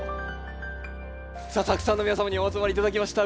さあたくさんの皆様にお集まり頂きました。